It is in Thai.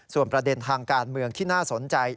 ส่วนประเด็นทางการเมืองที่น่าสนใจ